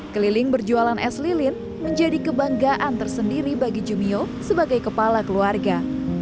keliling berjualan es lilin menjadi kebanggaan tersendiri bagi jumio sebagai kepala keluarga